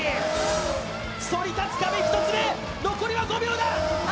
そり立つ壁１つ目、残りは５秒だ。